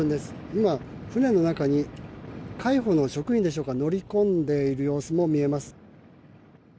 今、船の中に海保の職員でしょうか乗り込んでいる様子も見えます。